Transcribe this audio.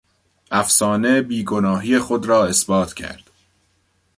افسانه بیگناهی خود را اثبات کرد.